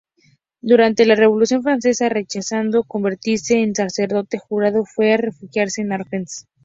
Durante la Revolución Francesa, rechazando convertirse en sacerdote jurado, fue a refugiarse en Angers.